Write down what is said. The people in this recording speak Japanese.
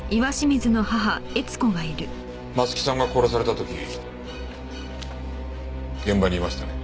松木さんが殺された時現場にいましたね？